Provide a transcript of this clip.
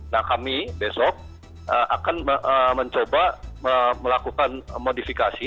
nah kami besok akan mencoba melakukan modifikasi